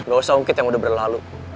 gak usah ungkit yang udah berlalu